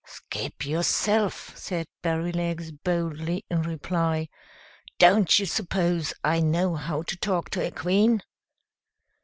"Skip, yourself!" said Berrylegs, boldly, in reply. "Don't you suppose I know how to talk to a Queen?"